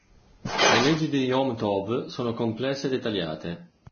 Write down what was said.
Le leggi di Yom Tov sono complesse e dettagliate.